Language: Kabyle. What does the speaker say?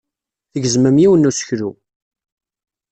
Tgezmem yiwen n useklu.